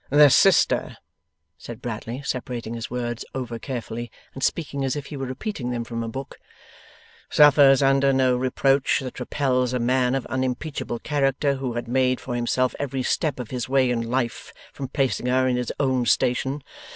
'The sister,' said Bradley, separating his words over carefully, and speaking as if he were repeating them from a book, 'suffers under no reproach that repels a man of unimpeachable character who had made for himself every step of his way in life, from placing her in his own station.